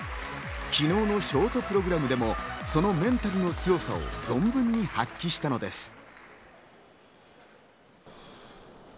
昨日のショートプログラムでもそのメンタルの強さを存分に発揮したのです。